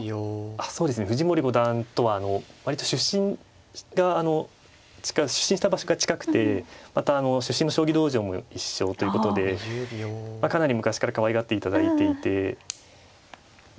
そうですね藤森五段とは割と出身が出身した場所が近くてまたあの出身の将棋道場も一緒ということでかなり昔からかわいがっていただいていて。